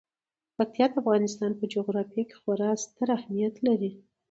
پکتیکا د افغانستان په جغرافیه کې خورا ډیر ستر اهمیت لري.